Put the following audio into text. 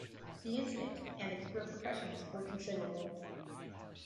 The incident and its repercussions were considerable.